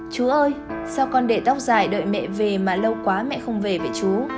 chú ơi sao con đệ tóc dài đợi mẹ về mà lâu quá mẹ không về vậy chú